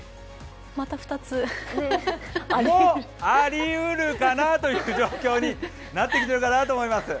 また２つありうるかなという状況になってくるかなと思います。